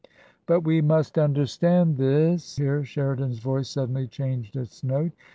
"But we must understand this!" Here Sheridan's voice suddenly changed its note.